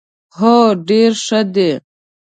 هو، ډیر ښه دي